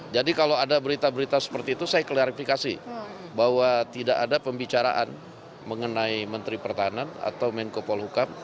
jadi kalau ada berita berita seperti itu saya klarifikasi bahwa tidak ada pembicaraan mengenai menteri pertahanan atau menko polhukam